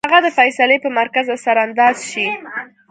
چې هغه د فېصلې پۀ مرکز اثر انداز شي -